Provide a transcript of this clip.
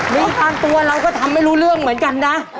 รู้ตามตัวเราก็ทำไม่รู้เรื่องเหมือนกันนะ